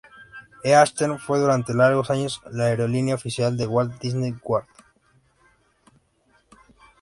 Eastern fue durante largos años la aerolínea oficial de Walt Disney World.